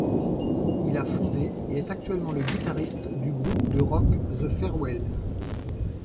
Il a fondé et est actuellement le guitariste du groupe de Rock The Fairwell.